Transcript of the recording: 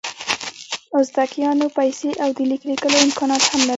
ازتکیانو پیسې او د لیک لیکلو امکانات هم لرل.